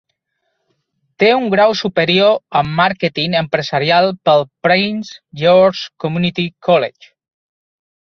Té un grau superior en màrqueting empresarial pel Prince George's Community College.